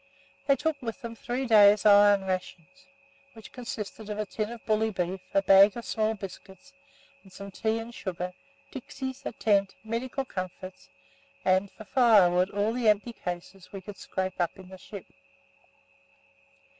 They took with them three days' "iron" rations, which consisted of a tin of bully beef, a bag of small biscuits, and some tea and sugar, dixies, a tent, medical comforts, and (for firewood) all the empty cases we could scrape up in the ship.